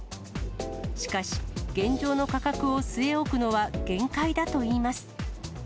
しかし、現状の価格を据え置くのは限界だといいます。